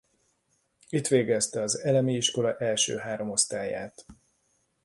Itt végezte az elemi iskola első három osztályát.